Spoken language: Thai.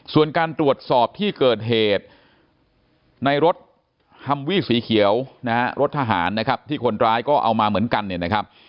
ส่วนการตรวจสอบที่เกิดเหตุในรถฮำวี่สีเขียวรถทหารที่คนร้ายก็เอามาเหมือนกัน